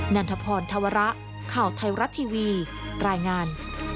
ันทพรธวระข่าวไทยรัฐทีวีรายงาน